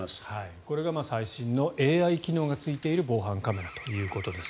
これが最新のＡＩ機能がついている防犯カメラということです。